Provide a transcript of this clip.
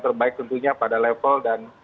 terbaik tentunya pada level dan